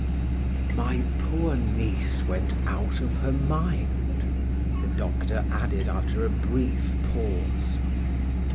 "My poor niece went out of her mind," the doctor added after a brief pause.